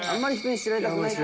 知られたくない。